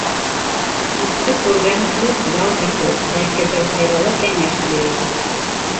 Күпте күргән күк ял бит ул, бәлки бер файҙалы кәңәш бирер.